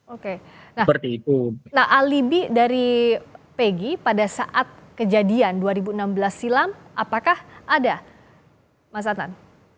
oke nah alibi dari pegi pada saat kejadian dua ribu enam belas silam apakah ada mas adnan